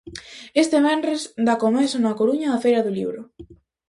Este venres dá comezo na Coruña a Feira do Libro.